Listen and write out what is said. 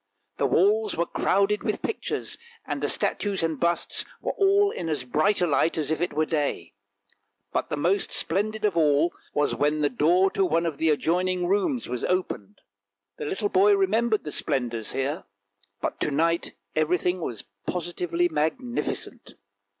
The walls were crowded with pictures, and the statues and busts were all in as bright a light as if it were day; but the most splendid sight of all was when the door to one of the adjoining rooms was opened. The little boy remembered the splendours here, but to night everything was positively magnificent.